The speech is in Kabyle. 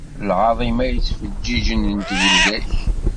Lɛaḍima yettfeǧǧiǧen n tgelda-k.